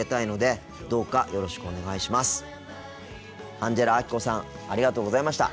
アンジェラアキコさんありがとうございました。